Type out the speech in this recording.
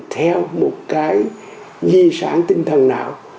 theo một cái di sản tinh thần nào